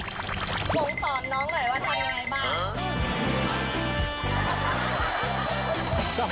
คงสอนน้องหน่อยว่าทำยังไงบ้าง